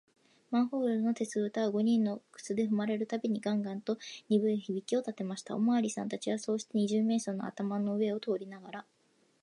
マンホールの鉄ぶたは、五人の靴でふまれるたびに、ガンガンとにぶい響きをたてました。おまわりさんたちは、そうして、二十面相の頭の上を通りながら、